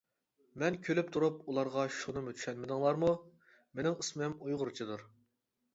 مەن كۈلۈپ تۇرۇپ ئۇلارغا شۇنىمۇ چۈشەنمىدىڭلارمۇ؟ مېنىڭ ئىسمىم ئۇيغۇرچىدۇر.